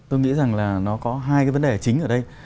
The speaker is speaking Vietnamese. tôi nghĩ rằng nó có hai vấn đề chính ở đây